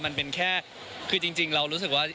มันเป็นแค่คือจริงเรารู้สึกว่า